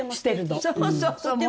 そうそうそう！